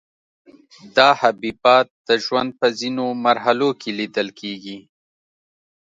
دا حبیبات د ژوند په ځینو مرحلو کې لیدل کیږي.